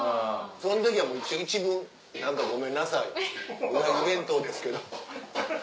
その時はもう一文「何かごめんなさいうなぎ弁当ですけど」。